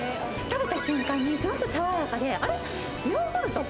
食べた瞬間にすごく爽やかであれっもう食べた？